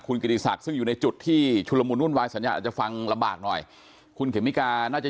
เกิดอะไรขึ้นที่แยกบางนานณขนาดนี้ฮะ